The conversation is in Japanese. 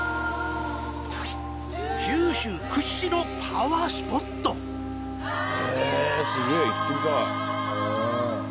九州屈指のパワースポットへぇすげぇ行ってみたい。